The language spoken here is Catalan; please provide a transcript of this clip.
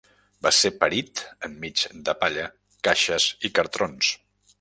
Va ser parit enmig de palla, caixes i cartrons.